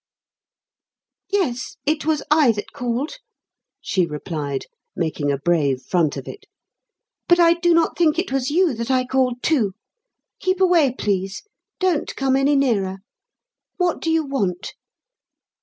"Yes, it was I that called," she replied, making a brave front of it. "But I do not think it was you that I called to. Keep away, please. Don't come any nearer. What do you want?"